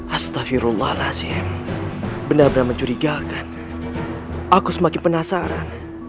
astafirullahir benar benar mencurigakan aku semakin penasaran